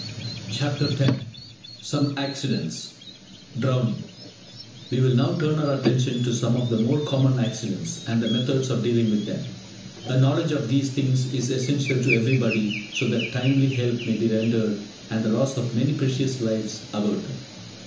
CHAPTER X SOME ACCIDENTS: DROWNING We will now turn our attention to some of the more common accidents, and the methods of dealing with them. A knowledge of these things is essential to everybody, so that timely help may be rendered, and the loss of many precious lives averted.